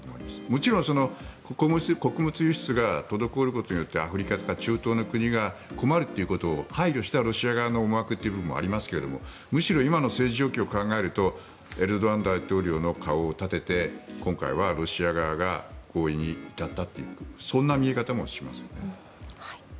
もちろん穀物輸出が滞ることによってアフリカとか中東の国が困るということを配慮したロシア側の思惑というのもありますがむしろ今の政治状況を考えるとエルドアン大統領の顔を立てて今回はロシア側が合意に至ったというそんな見え方もしますよね。